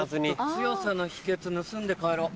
強さの秘訣盗んで帰ろう。